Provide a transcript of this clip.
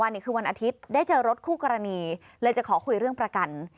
ไม่ให้คู่กรณีขับไปแล้วก็เป็นเหตุการณ์ที่เห็นอย่างในคลิป